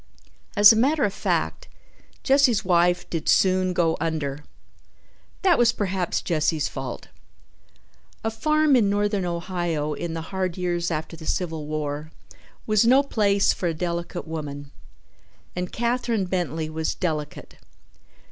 As a matter of fact, Jesse's wife did soon go under. That was perhaps Jesse's fault. A farm in Northern Ohio in the hard years after the Civil War was no place for a delicate woman, and Katherine Bentley was delicate.